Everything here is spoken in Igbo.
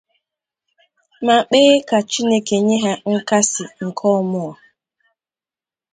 ma kpee ka Chineke nye ha nkasi nke ọmụọ.